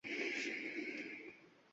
Ortiq qololmayman